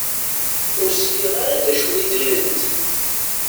Ur sliɣ ara d acu i d-nnant